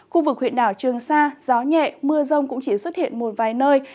khu vực huyện đảo trường sa gió nhẹ mưa rông cũng chỉ xuất hiện một vài nơi